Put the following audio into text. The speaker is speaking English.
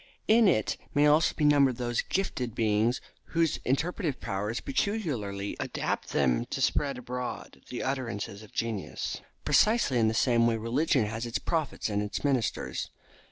In it may also be numbered those gifted beings whose interpretative powers peculiarly adapt them to spread abroad the utterances of genius. Precisely in the same way religion has its prophets and its ministers.